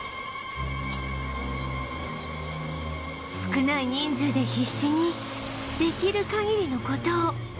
少ない人数で必死にできる限りの事を